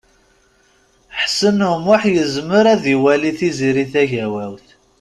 Ḥsen U Muḥ yezmer ad iwali Tiziri Tagawawt.